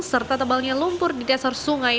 serta tebalnya lumpur di dasar sungai